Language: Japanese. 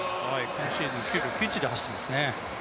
今シーズン９秒９１で走っていますね。